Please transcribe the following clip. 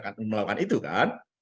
lalu mengapa dia melakukan itu kan